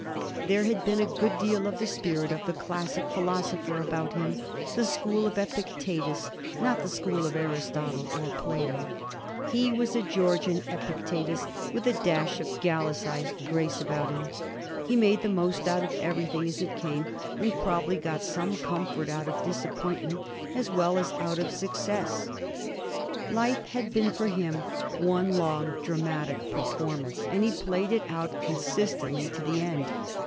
There had been a good deal of the spirit of the classic philosopher about him — the school of Epictetus, not the school of Aristotle or Plato. He was a Georgian Epicte tus with a dash of Gallicized grace aboat him. He made the most out of everything as it came, and probably got some comfort out of disappointment as well as out of suc cess, life had been for him one long dramatic perform ance, and he played it out consistently to the end.